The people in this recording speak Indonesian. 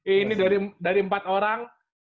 ini dari empat orang